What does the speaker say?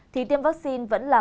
thì tiêm vắc xin vẫn là